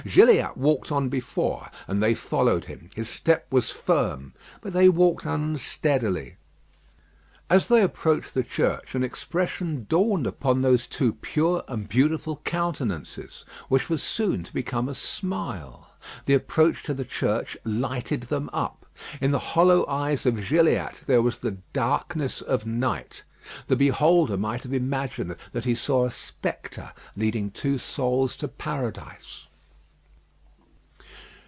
Gilliatt walked on before, and they followed him. His step was firm; but they walked unsteadily. As they approached the church, an expression dawned upon those two pure and beautiful countenances, which was soon to become a smile. The approach to the church lighted them up. In the hollow eyes of Gilliatt there was the darkness of night. The beholder might have imagined that he saw a spectre leading two souls to Paradise.